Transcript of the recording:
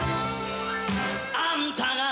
「あんたが」